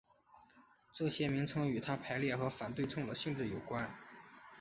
这些名称与它排列和反对称的性质有关。